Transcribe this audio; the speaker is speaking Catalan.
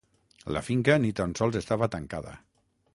La finca ni tan sols estava tancada.